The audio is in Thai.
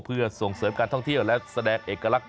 เพื่อส่งเสริมการท่องเที่ยวและแสดงเอกลักษณ